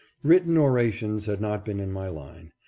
Written orations had not been in my line.